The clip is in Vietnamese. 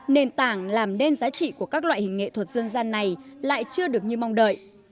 nền tảng làm nên giá trị của các loại hình nghệ thuật dân gian này lại chưa được như mong đợi